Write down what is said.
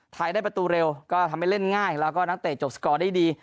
ไทยได้ประตูเร็วก็ทำให้เล่นง่ายแล้วก็นักเตะจบสกอร์ได้ดี